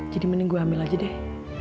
jadi mending gue ambil aja deh